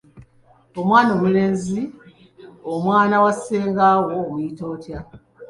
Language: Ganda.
Omwana omulenzi ow’omwana wa ssenga wo omuyita otya?